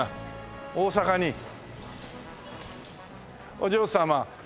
お嬢様。